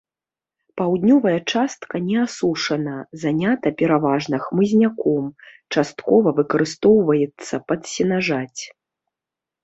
Паўднёвая частка не асушана, занята пераважна хмызняком, часткова выкарыстоўваецца пад сенажаць.